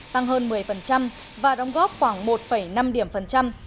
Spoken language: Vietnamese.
tăng hơn một mươi và đóng góp khoảng một năm điểm phần trăm